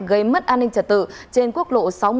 gây mất an ninh trật tự trên quốc lộ sáu mươi